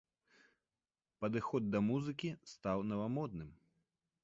Падыход да музыкі стаў навамодны.